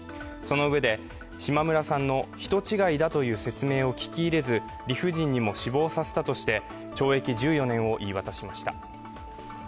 そのうえで、島村さんの人違いだという説明を聞き入れず理不尽にも死亡させたとして、懲役１４年を言い渡しました。